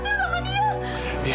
saya khawatir sama dia